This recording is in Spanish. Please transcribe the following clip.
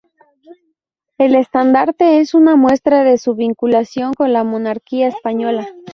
El estandarte es una muestra de su vinculación con la Monarquía Española.